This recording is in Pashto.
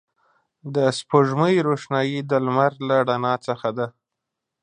د سپوږمۍ روښنایي د لمر له رڼا څخه ده